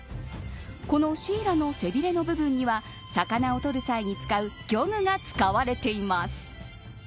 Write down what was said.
このシイラの背びれの部分には魚を取る際に使う漁具が使われています。